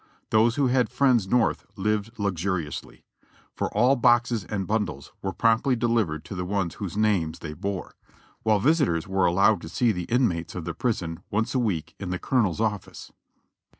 Those who had friends Xorth lived luxuriously, for all boxes and bundles were promptly delivered to the ones whose names they bore : while visi tors were allowed to see the inmates of the prison once a week in the colonel's office.